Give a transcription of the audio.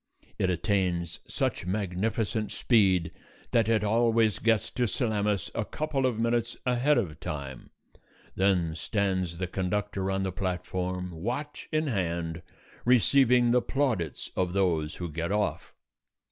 It attains such magnificent speed that it always gets to Salamis a couple of minutes ahead of time. Then stands the conductor on the platform, watch in hand, receiving the plaudits of those who get off.